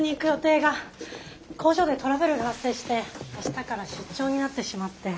工場でトラブルが発生して明日から出張になってしまって。